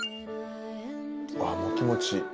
あぁもう気持ちいい。